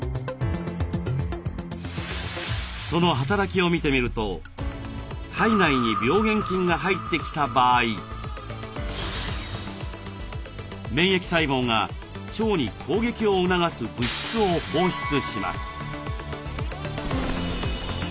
その働きを見てみると体内に病原菌が入ってきた場合免疫細胞が腸に攻撃を促す物質を放出します。